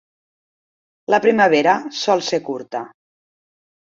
La primavera sol ser curta.